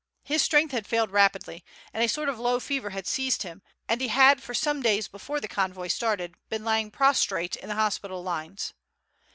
His strength had failed rapidly, and a sort of low fever had seized him, and he had for some days before the convoy started been lying prostrate in the hospital lines.